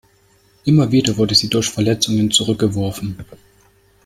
Immer wieder wurde sie durch Verletzungen zurückgeworfen.